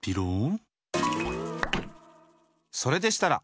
それでしたら！